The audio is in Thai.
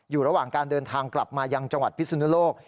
อยู่ระหว่างการเดินทางกลับมายังจังหวัดพิศนุโลก